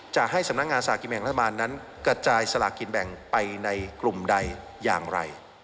จะให้สำนักงานสลากกินแบ่งรัฐบาลนั้นกระจายสลากกินแบ่งไปในกลุ่มใดอย่างไร